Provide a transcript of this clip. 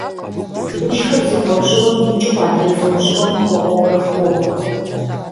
Лышхыр зы лӀэужьыгъуэм икӀыу адрей лӀэужьыгъуэм хуэкӀуэурэ хохъуэ.